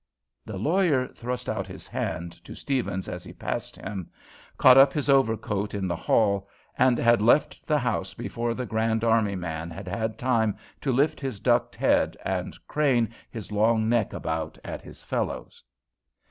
The lawyer thrust out his hand to Steavens as he passed him, caught up his overcoat in the hall, and had left the house before the Grand Army man had had time to lift his ducked head and crane his long neck about at his fellows.